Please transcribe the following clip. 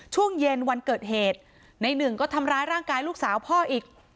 ช่วงเย็นวันเกิดเหตุในหนึ่งก็ทำร้ายร่างกายลูกสาวพ่ออีก